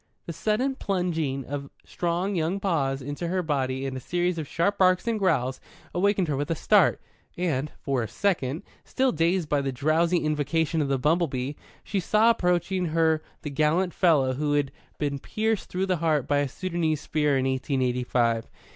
The sudden plunging of strong young paws into her body and a series of sharp barks and growls awakened her with a start, and, for a second, still dazed by the drowsy invocation of the bumble bee, she saw approaching her the gallant fellow who had been pierced through the heart by a Soudanese spear in eighteen eighty five.